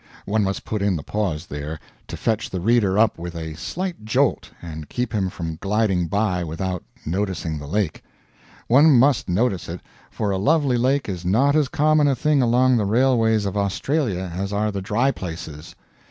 One must put in the pause, there, to fetch the reader up with a slight jolt, and keep him from gliding by without noticing the lake. One must notice it; for a lovely lake is not as common a thing along the railways of Australia as are the dry places.